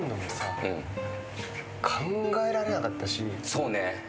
そうね。